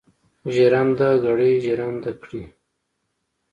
ژرندهګړی ژرنده کړي.